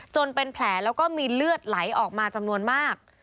เป็นแผลแล้วก็มีเลือดไหลออกมาจำนวนมาก